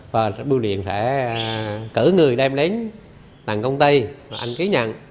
và bô điện sẽ cử người đem đến tầng công ty anh ký nhận